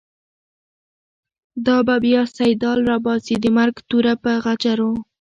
دابه بیا “سیدال” راباسی، دمرګ توره په غجرو